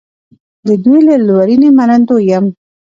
د دوی له لورینې منندوی یم.